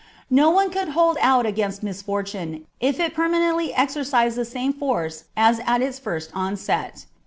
No one could hold out against misfortune if it permanently exercised the same force as at its first onset.